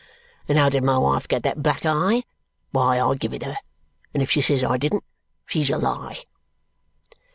And how did my wife get that black eye? Why, I give it her; and if she says I didn't, she's a lie!"